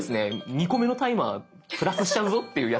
２個目のタイマープラスしちゃうぞっていうやつなので。